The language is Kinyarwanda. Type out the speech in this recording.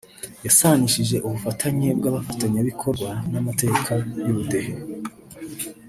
yasanishije ubufatanye bw’abafatanyabikorwa n’amateka y’Ubudehe